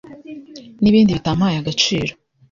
n’ibindi bitampaye agaciro.